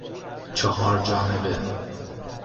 چهار جانبه